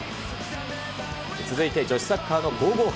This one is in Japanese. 続いて女子サッカーの皇后杯。